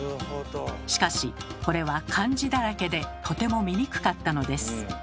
しかしこれは漢字だらけでとても見にくかったのです。